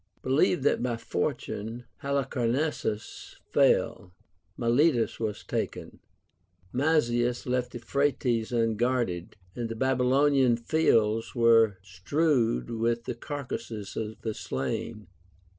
Believe that by Fortune Halicarnassus fell, Miletus was taken, Mazaeus left Eu phrates unguarded, and the Babylonian fields were strew^ed with the carcasses of the slain.